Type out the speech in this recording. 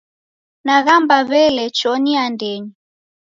Naghamba w'elee, chonyi andenyi!